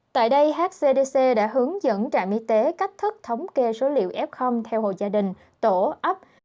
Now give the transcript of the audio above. tại đây hcdc đã hướng dẫn trạm y tế cách thức thống kê số liệu f theo hồ gia đình tổ ấp